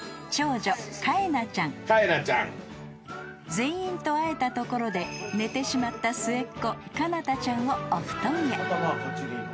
［全員と会えたところで寝てしまった末っ子かなたちゃんをお布団へ］